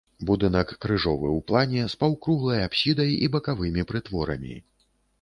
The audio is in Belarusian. Будынак крыжовы ў плане, з паўкруглай апсідай і бакавымі прытворамі.